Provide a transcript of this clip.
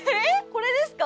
これですか？